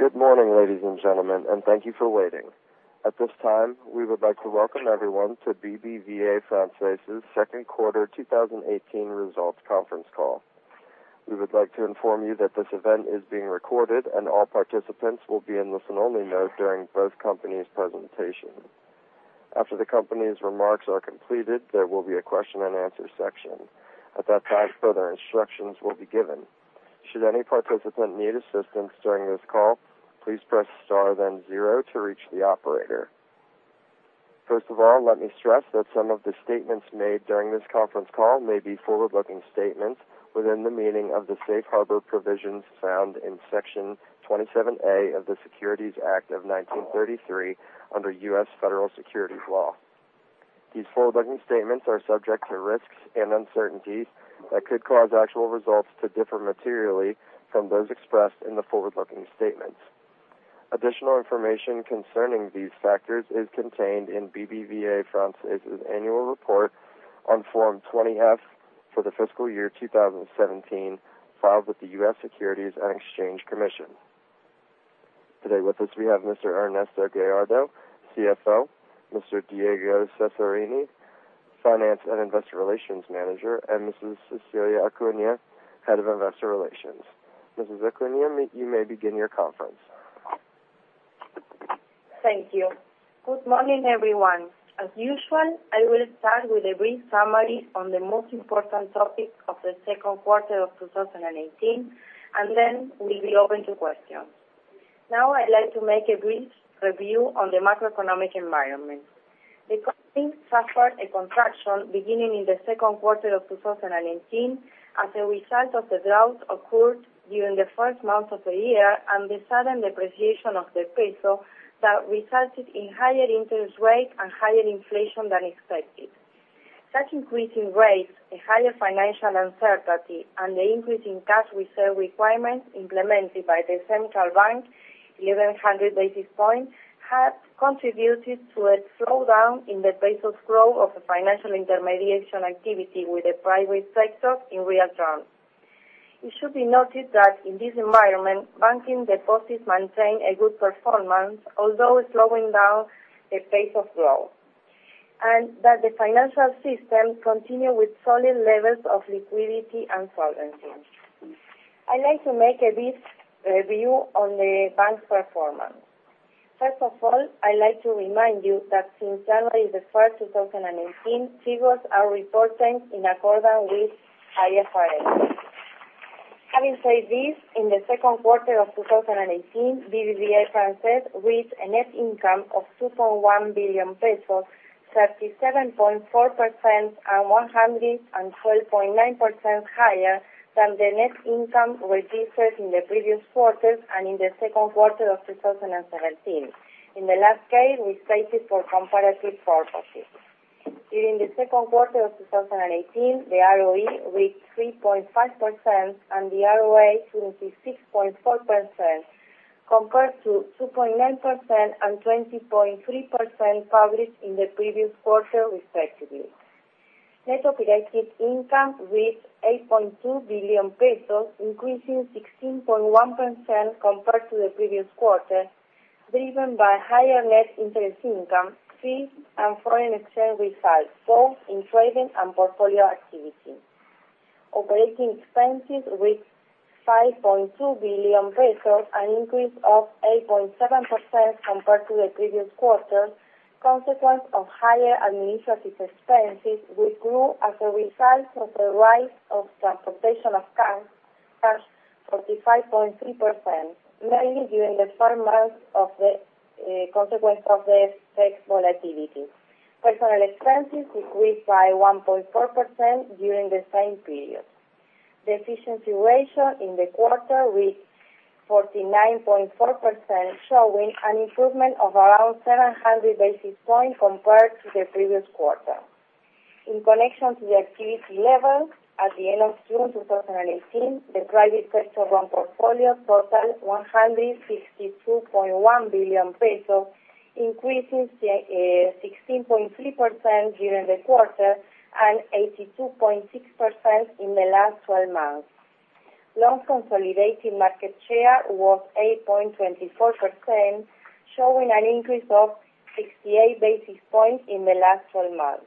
Good morning, ladies and gentlemen, and thank you for waiting. At this time, we would like to welcome everyone to BBVA Francés' second quarter 2018 results conference call. We would like to inform you that this event is being recorded, and all participants will be in listen-only mode during both companies' presentations. After the companies' remarks are completed, there will be a question and answer section. At that time, further instructions will be given. Should any participant need assistance during this call, please press star then zero to reach the operator. First of all, let me stress that some of the statements made during this conference call may be forward-looking statements within the meaning of the safe harbor provisions found in Section 27A of the Securities Act of 1933 under U.S. Federal Securities law. These forward-looking statements are subject to risks and uncertainties that could cause actual results to differ materially from those expressed in the forward-looking statements. Additional information concerning these factors is contained in BBVA Francés' annual report on Form 20-F for the fiscal year 2017, filed with the U.S. Securities and Exchange Commission. Today with us, we have Mr. Ernesto Gallardo, CFO, Mr. Diego Cesarini, Finance and Investor Relations Manager, and Mrs. Cecilia Acuña, Head of Investor Relations. Mrs. Acuña, you may begin your conference. Thank you. Good morning, everyone. As usual, I will start with a brief summary on the most important topic of the second quarter of 2018, then we'll be open to questions. Now, I'd like to make a brief review on the macroeconomic environment. The country suffered a contraction beginning in the second quarter of 2018 as a result of the drought occurred during the first month of the year, the sudden depreciation of the peso that resulted in higher interest rates and higher inflation than expected. Such increasing rates, a higher financial uncertainty, and the increase in cash reserve requirements implemented by the Central Bank, 1,100 basis points, have contributed to a slowdown in the pace of growth of the financial intermediation activity with the private sector in real terms. It should be noted that in this environment, banking deposits maintain a good performance, although slowing down the pace of growth, that the financial system continue with solid levels of liquidity and solvency. I'd like to make a brief review on the bank's performance. First of all, I like to remind you that since January the 1st, 2018, figures are reported in accordance with IFRS. Having said this, in the second quarter of 2018, BBVA Francés reached a net income of 2.1 billion pesos, 37.4%, and 112.9% higher than the net income registered in the previous quarter and in the second quarter of 2017. In the last case, we state this for comparative purposes. During the second quarter of 2018, the ROE reached 26.4%, and the ROA 3.5%, compared to 2.9% and 20.3% published in the previous quarter, respectively. Net operating income reached ARS 8.2 billion, increasing 16.1% compared to the previous quarter, driven by higher net interest income, fees, and foreign exchange results, both in trading and portfolio activity. Operating expenses reached 5.2 billion pesos, an increase of 8.7% compared to the previous quarter, consequence of higher administrative expenses, which grew as a result of the rise of transportation of cash, 45.3%, mainly during the first month of the consequence of the exchange volatility. Personal expenses decreased by 1.4% during the same period. The efficiency ratio in the quarter reached 49.4%, showing an improvement of around 700 basis points compared to the previous quarter. In connection to the activity level, at the end of June 2018, the private sector loan portfolio totaled ARS 152.1 billion, increasing 16.3% during the quarter and 82.6% in the last 12 months. Loan consolidated market share was 8.24%, showing an increase of 68 basis points in the last 12 months.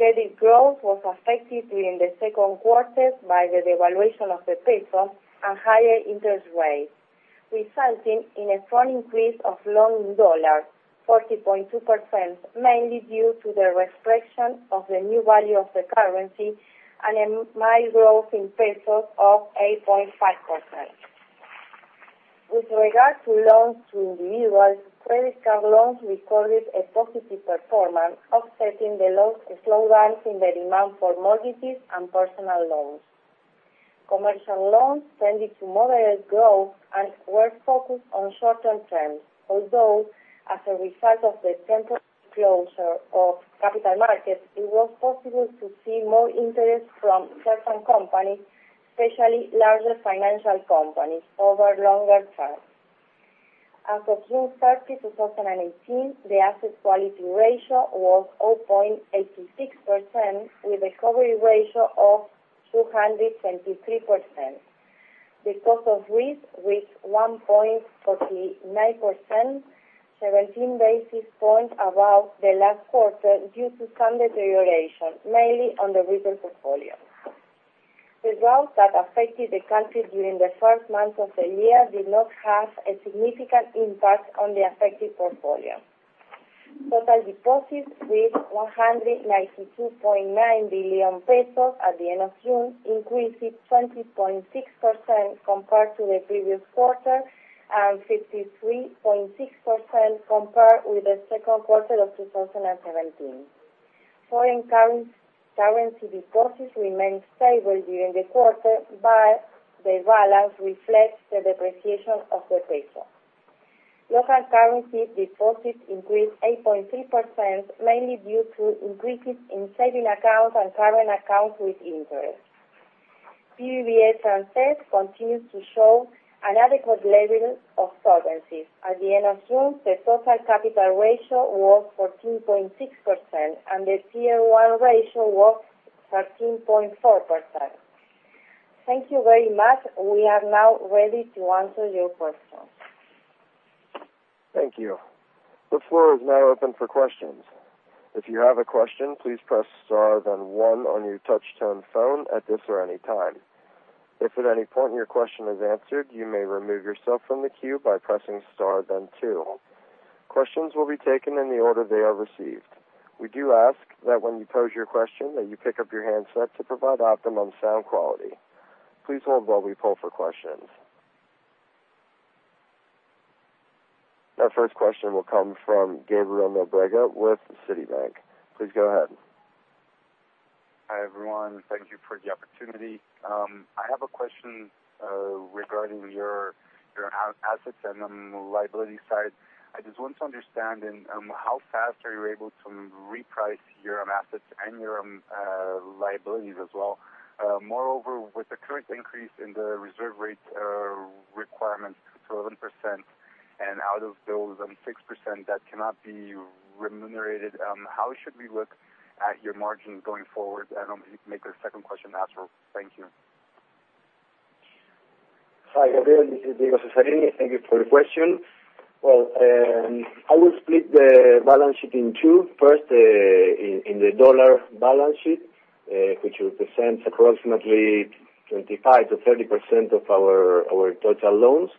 Credit growth was affected during the second quarter by the devaluation of the peso and higher interest rates, resulting in a strong increase of loans in USD, 40.2%, mainly due to the reflection of the new value of the currency, and a mild growth in ARS of 8.5%. With regard to loans to individuals, credit card loans recorded a positive performance, offsetting the slow rise in the demand for mortgages and personal loans. Commercial loans tended to moderate growth and were focused on short-term terms, although, as a result of the temporary closure of capital markets, it was possible to see more interest from certain companies, especially larger financial companies, over longer terms. As of June 30th, 2018, the asset quality ratio was 0.86% with recovery ratio of 273%. The cost of risk reached 1.49%, 17 basis points above the last quarter due to some deterioration, mainly on the retail portfolio. The drought that affected the country during the first months of the year did not have a significant impact on the affected portfolio. Total deposits reached 192.9 billion pesos at the end of June, increasing 20.6% compared to the previous quarter and 53.6% compared with the second quarter of 2017. Foreign currency deposits remained stable during the quarter. The balance reflects the depreciation of the peso. Local currency deposits increased 8.3%, mainly due to increases in saving accounts and current accounts with interest. BBVA Francés continues to show an adequate level of solvency. At the end of June, the total capital ratio was 14.6%, and the Tier 1 ratio was 13.4%. Thank you very much. We are now ready to answer your questions. Thank you. The floor is now open for questions. If you have a question, please press star then one on your touch-tone phone at this or any time. If at any point your question is answered, you may remove yourself from the queue by pressing star then two. Questions will be taken in the order they are received. We do ask that when you pose your question, that you pick up your handset to provide optimum sound quality. Please hold while we poll for questions. Our first question will come from Gabriel Nóbrega with Citibank. Please go ahead. Hi, everyone. Thank you for the opportunity. I have a question regarding your assets and then liability side. I just want to understand how fast are you able to reprice your assets and your liabilities as well? Moreover, with the current increase in the reserve rate requirements to 11%, and out of those, 6% that cannot be remunerated, how should we look at your margin going forward? I'll make a second question after. Thank you. Hi, Gabriel. This is Diego Cesarini. Thank you for the question. I will split the balance sheet in two. First, in the dollar balance sheet, which represents approximately 25%-30% of our total loans.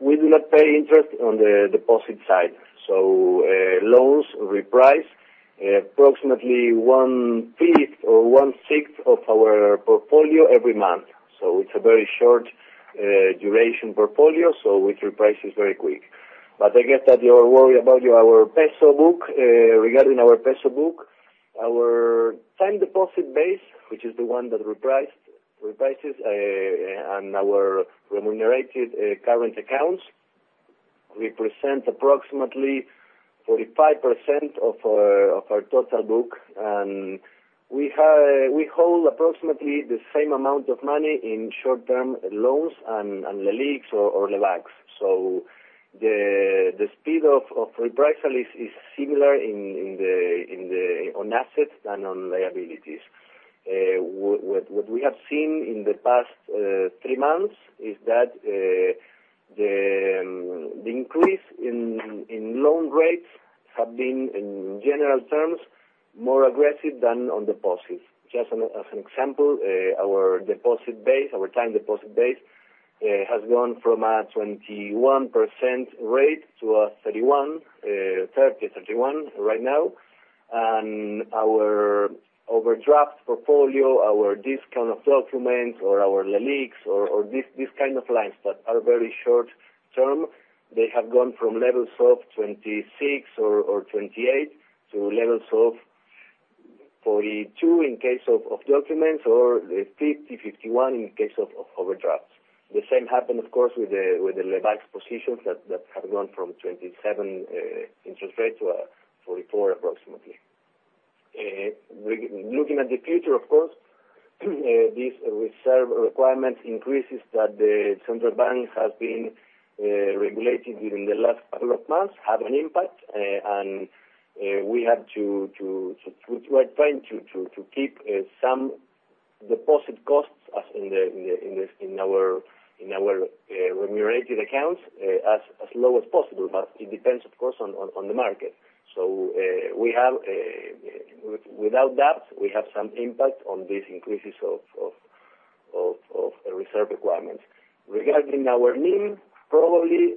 We do not pay interest on the deposit side, so loans reprice approximately one-fifth or one-sixth of our portfolio every month. It's a very short duration portfolio, so we reprice it very quick. I guess that you are worried about our peso book. Regarding our peso book, our time deposit base, which is the one that reprices, and our remunerated current accounts represent approximately 45% of our total book. We hold approximately the same amount of money in short-term loans and Leliq or Lebacs. The speed of repricing is similar on assets and on liabilities. What we have seen in the past three months is that the increase in loan rates have been, in general terms, more aggressive than on deposits. Just as an example, our deposit base, our time deposit base, has gone from a 21% rate to a 30%-31% right now. Our overdraft portfolio, our discount of documents or our Leliq or these kind of lines that are very short-term, they have gone from levels of 26%-28% to levels of 42% in case of documents, or 50%-51% in case of overdrafts. The same happened, of course, with the Lebacs positions that have gone from 27% interest rate to 44%, approximately. Looking at the future, of course, these reserve requirement increases that the Central Bank has been regulating during the last couple of months have an impact. We are trying to keep some deposit costs as in our remunerated accounts, as low as possible, but it depends, of course, on the market. Without that, we have some impact on these increases of reserve requirements. Regarding our NIM, probably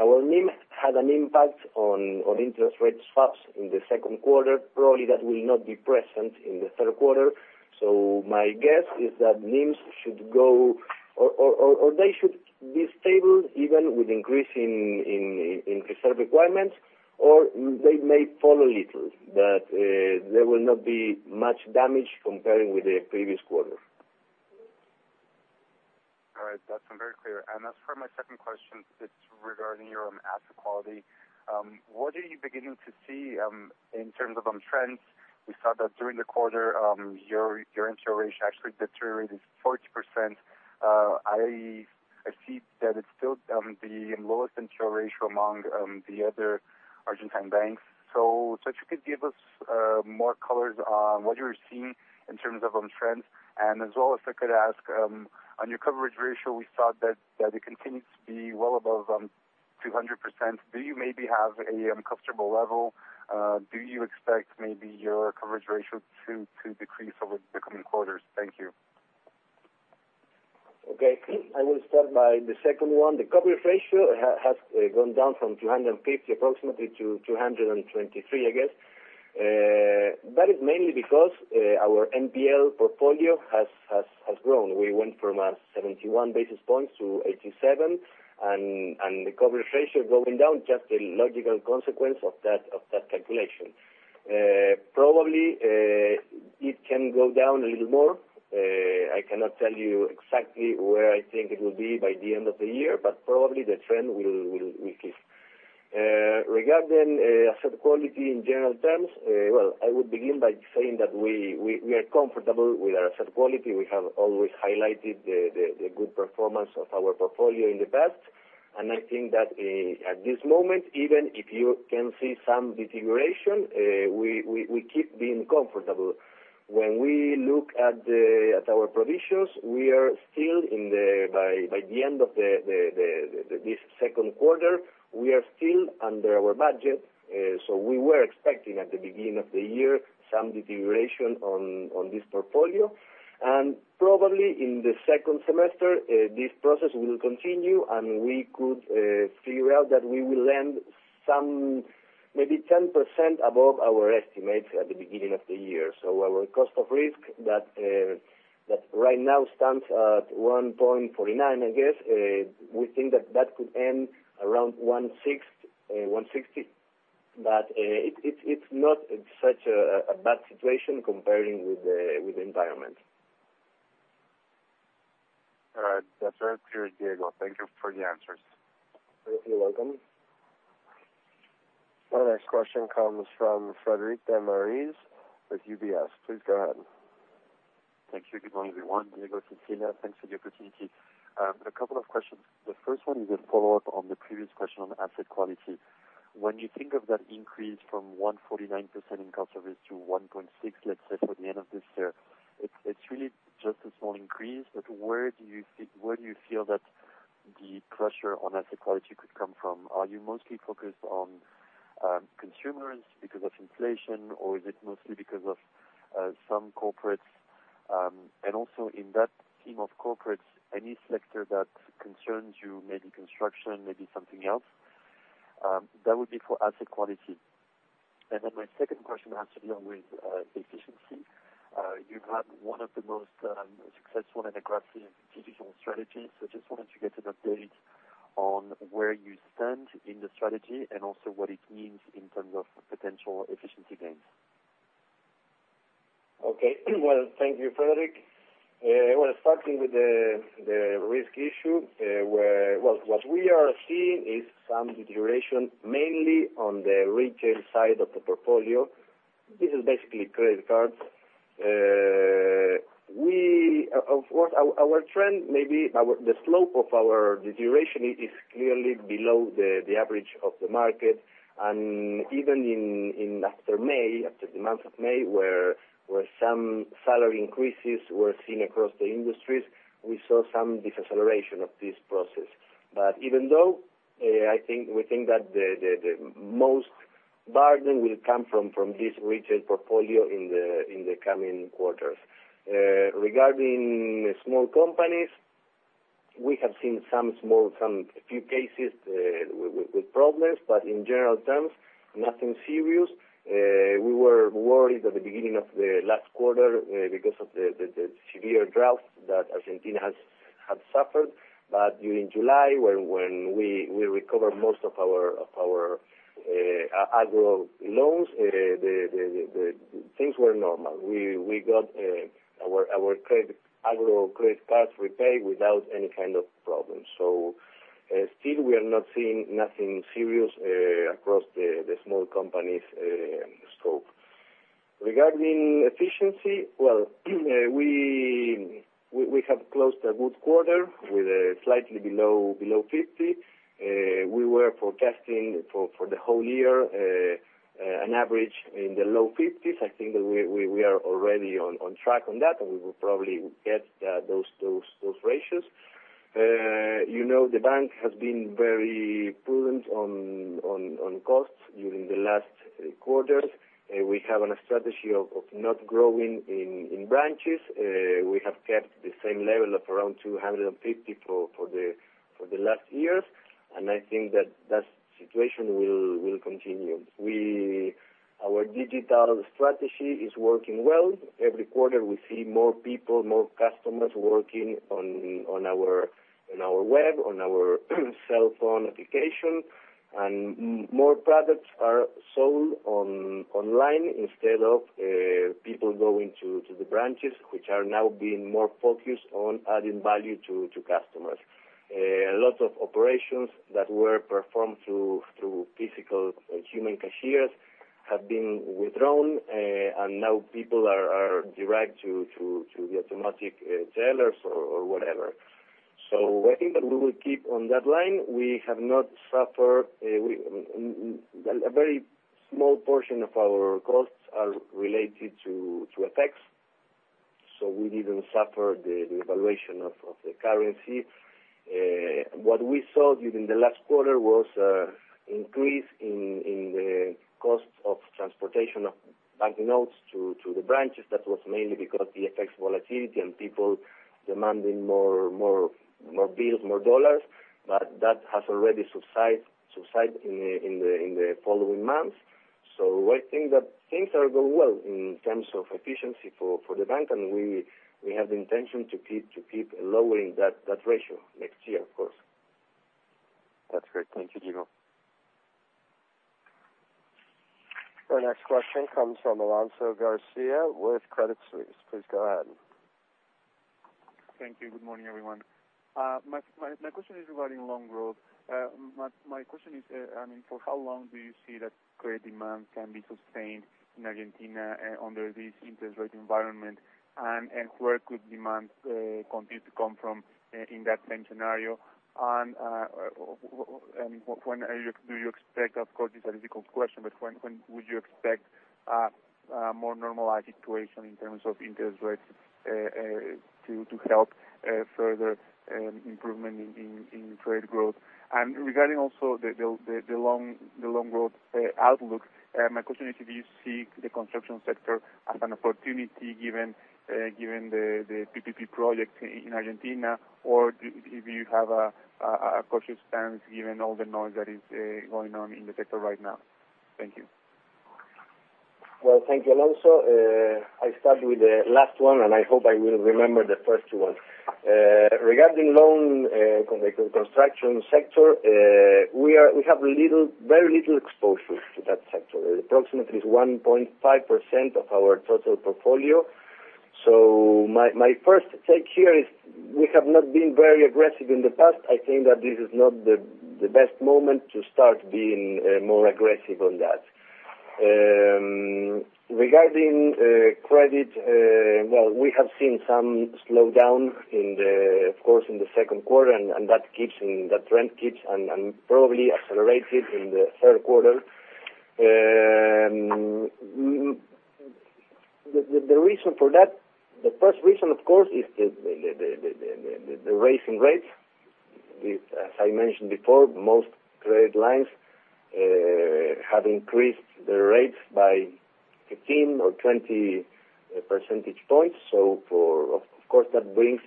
our NIM had an impact on interest rate swaps in the second quarter. Probably that will not be present in the third quarter. My guess is that NIMs should be stable even with increase in reserve requirements, or they may fall a little, but there will not be much damage comparing with the previous quarter. All right. That's very clear. As for my second question, it's regarding your asset quality. What are you beginning to see in terms of trends? We saw that during the quarter, your NPL ratio actually deteriorated 40%. I see that it's still the lowest NPL ratio among the other Argentine banks. If you could give us more colors on what you're seeing in terms of trends, and as well, if I could ask on your coverage ratio, we thought that it continued to be well above 200%. Do you maybe have a comfortable level? Do you expect maybe your coverage ratio to decrease over the coming quarters? Thank you. Okay. I will start by the second one. The coverage ratio has gone up from 250 approximately to 223, I guess. That is mainly because our NPL portfolio has grown. We went from 71 basis points to 87, and the coverage ratio going down, just a logical consequence of that calculation. Probably, it can go down a little more. I cannot tell you exactly where I think it will be by the end of the year, but probably the trend will keep. Regarding asset quality in general terms, well, I would begin by saying that we are comfortable with our asset quality. We have always highlighted the good performance of our portfolio in the past, and I think that at this moment, even if you can see some deterioration, we keep being comfortable. When we look at our provisions, by the end of this second quarter, we are still under our budget. We were expecting, at the beginning of the year, some deterioration on this portfolio. Probably in the second semester, this process will continue, and we could figure out that we will end maybe 10% above our estimates at the beginning of the year. Our cost of risk that right now stands at 1.49, I guess, we think that that could end around 1.60. It's not such a bad situation comparing with the environment. All right. That's very clear, Diego. Thank you for the answers. You're welcome. Our next question comes from Frederic de Mariz with UBS. Please go ahead. Thank you. Good morning, everyone. Diego, Cecilia, thanks for the opportunity. A couple of questions. The first one is a follow-up on the previous question on asset quality. When you think of that increase from 149% in cost of risk to 1.6%, let's say, for the end of this year, it's really just a small increase, but where do you feel that the pressure on asset quality could come from? Are you mostly focused on consumers because of inflation, or is it mostly because of some corporates? Also in that team of corporates, any sector that concerns you, maybe construction, maybe something else? That would be for asset quality. My second question has to deal with efficiency. You've had one of the most successful and aggressive digital strategies. Just wanted to get an update on where you stand in the strategy. Also what it means in terms of potential efficiency gains. Well, thank you, Frederic. What we are seeing is some deterioration mainly on the retail side of the portfolio. This is basically credit cards. Of course, our trend, maybe the slope of our deterioration is clearly below the average of the market. Even after May, after the month of May, where some salary increases were seen across the industries, we saw some deceleration of this process. Even though, we think that the most burden will come from this retail portfolio in the coming quarters. Regarding small companies, we have seen a few cases with problems, but in general terms, nothing serious. We were worried at the beginning of the last quarter because of the severe drought that Argentina has suffered. During July, when we recovered most of our agro loans, things were normal. We got our agro credit cards repaid without any kind of problems. Still, we are not seeing nothing serious across the small companies scope. Regarding efficiency, well, we have closed a good quarter with slightly below 50%. We were forecasting for the whole year, an average in the low 50s%. I think that we are already on track on that, and we will probably get those ratios. The bank has been very prudent on costs during the last quarters. We have a strategy of not growing in branches. We have kept the same level of around 250 for the last years, and I think that situation will continue. Our digital strategy is working well. Every quarter, we see more people, more customers working on our web, on our cell phone application. More products are sold online instead of people going to the branches, which are now being more focused on adding value to customers. A lot of operations that were performed through physical human cashiers have been withdrawn, and now people are directed to the automatic tellers or whatever. I think that we will keep on that line. A very small portion of our costs are related to effects, so we didn't suffer the evaluation of the currency. What we saw during the last quarter was an increase in the cost of transportation of banknotes to the branches. That was mainly because of the effects of volatility and people demanding more bills, more USD. That has already subsided in the following months. I think that things are going well in terms of efficiency for the bank, and we have the intention to keep lowering that ratio next year, of course. That's great. Thank you, Diego. Our next question comes from Alonso Garcia with Credit Suisse. Please go ahead. Thank you. Good morning, everyone. My question is regarding loan growth. My question is, for how long do you see that credit demand can be sustained in Argentina under this interest rate environment? Where could demand continue to come from in that same scenario? When do you expect, of course, it's a difficult question, but when would you expect a more normalized situation in terms of interest rates to help further improvement in credit growth? Regarding also the loan growth outlook, my question is, do you see the construction sector as an opportunity given the PPP project in Argentina, or do you have a cautious stance given all the noise that is going on in the sector right now? Thank you. Thank you, Alonso. I start with the last one, and I hope I will remember the first one. Regarding loan construction sector, we have very little exposure to that sector. Approximately it's 1.5% of our total portfolio. My first take here is we have not been very aggressive in the past. I think that this is not the best moment to start being more aggressive on that. Regarding credit, we have seen some slowdown, of course, in the second quarter, and that trend keeps and probably accelerated in the third quarter. The first reason, of course, is the rise in rates. As I mentioned before, most credit lines have increased their rates by 15 or 20 percentage points. Of course, that brings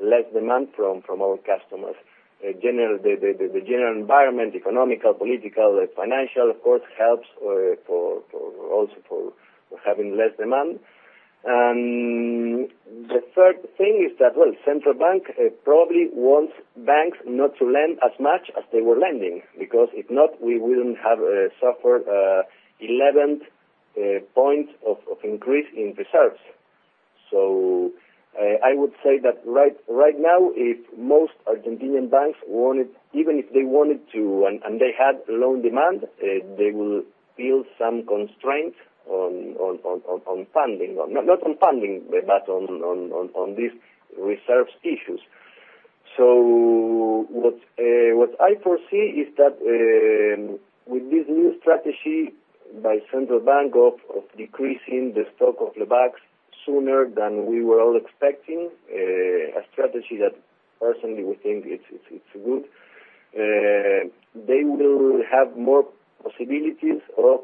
less demand from our customers. The general environment, economical, political, financial, of course, helps also for having less demand. The third thing is that, well, Central Bank probably wants banks not to lend as much as they were lending, because if not, we wouldn't have suffered 11 points of increase in reserves. I would say that right now, if most Argentinian banks, even if they wanted to and they had loan demand, they will feel some constraints on these reserves issues. What I foresee is that with this new strategy by Central Bank of decreasing the stock of Lebacs sooner than we were all expecting, a strategy that personally we think it's good, they will have more possibilities of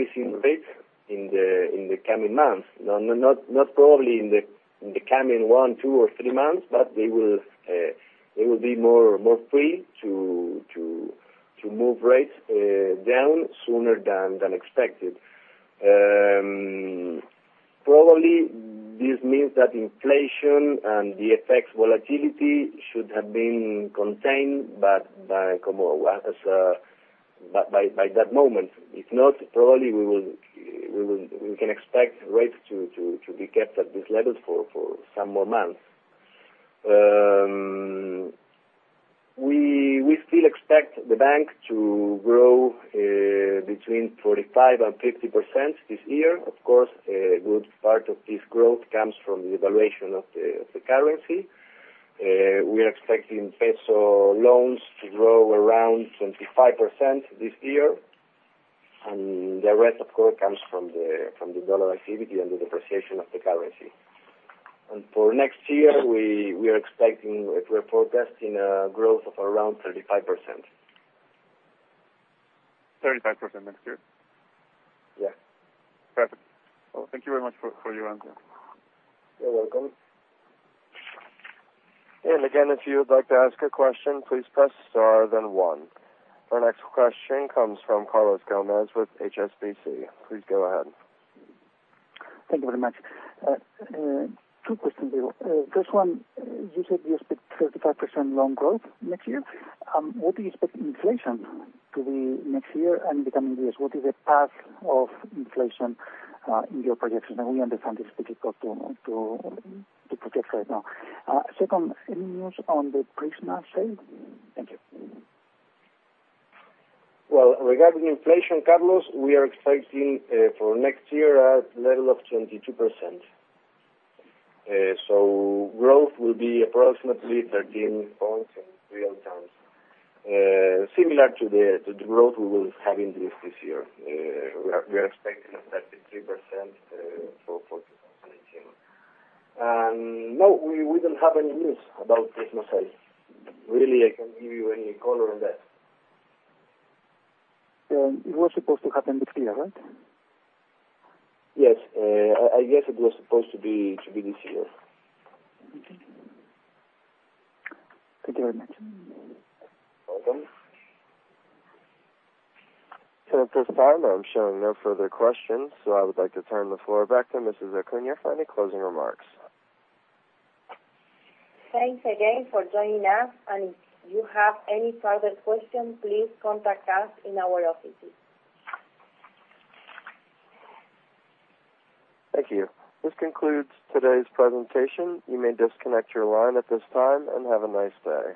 decreasing rates in the coming months. Not probably in the coming one, two, or three months, but they will be more free to move rates down sooner than expected. Probably, this means that inflation and the effects volatility should have been contained by that moment. If not, probably we can expect rates to be kept at this level for some more months. We still expect the bank to grow between 45% and 50% this year. Of course, a good part of this growth comes from the evaluation of the currency. We are expecting peso loans to grow around 25% this year, and the rest, of course, comes from the USD activity and the depreciation of the currency. For next year, we are forecasting a growth of around 35%. 35% next year? Yes. Perfect. Well, thank you very much for your answer. You're welcome. If you would like to ask a question, please press star then one. Our next question comes from Carlos Gomez-Lopez with HSBC. Please go ahead. Thank you very much. Two questions, Diego. First one, you said you expect 35% loan growth next year. What do you expect inflation to be next year and in the coming years? What is the path of inflation in your projection? We understand it's difficult to project right now. Second, any news on the Christmas sale? Thank you. Well, regarding inflation, Carlos, we are expecting for next year a level of 22%. Growth will be approximately 13 points in real terms. Similar to the growth we will have in this year. We are expecting a 33% for 2018. No, we don't have any news about Christmas sales. Really, I can't give you any color on that. It was supposed to happen this year, right? Yes. I guess it was supposed to be this year. Okay. Thank you very much. Welcome. At this time, I'm showing no further questions. I would like to turn the floor back to Mrs. Acuña for any closing remarks. Thanks again for joining us. If you have any further questions, please contact us in our offices. Thank you. This concludes today's presentation. You may disconnect your line at this time, have a nice day.